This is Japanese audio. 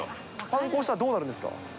反抗したらどうなるんですか？